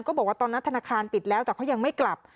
บอกว่าตอนนั้นธนาคารปิดแล้วแต่เขายังไม่กลับ